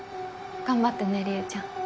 頑張ってねりえちゃん。